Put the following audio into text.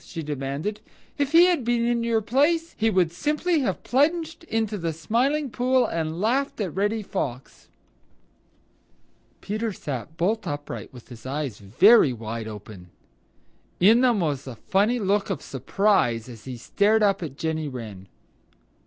she demanded. "If he had been in your place, he would simply have plunged into the Smiling Pool and laughed at Reddy Fox." Peter sat bolt upright with his eyes very wide open. In them was a funny look of surprise as he stared up at Jenny Wren.